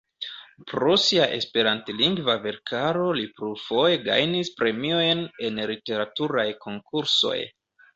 Pro sia esperantlingva verkaro li plurfoje gajnis premiojn en literaturaj konkursoj.